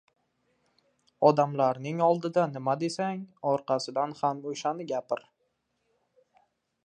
— Odamlarning oldida nima desang, orqasidan ham o‘shani gapir.